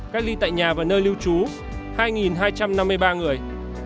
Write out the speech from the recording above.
cách ly tại nhà và nơi lưu trú hai hai trăm năm mươi ba người